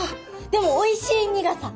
でもおいしい苦さ。